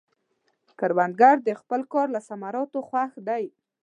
کروندګر د خپل کار له ثمراتو خوښ دی